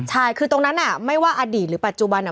ใช่คือตรงนั้นไม่ว่าอดีตหรือปัจจุบัน